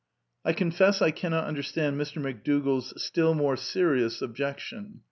I confess I cannot understand Mr. McDougall's " still more serious objection."